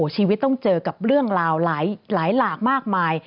ชีวิตต้องเจอกับเรื่องราวหลายหลากมากมาย